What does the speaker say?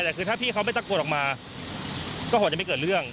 แต่คือถ้าพี่เขาไม่ตะโกนออกมาก็คงจะไม่เกิดเรื่อง